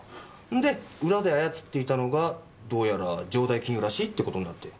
んで裏で操っていたのがどうやら城代金融らしいって事になって。